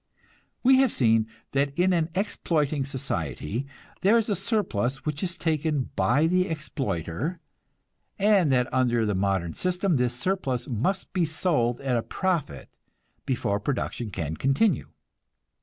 We have seen that in an exploiting society there is a surplus which is taken by the exploiter; and that under the modern system this surplus must be sold at a profit before production can continue.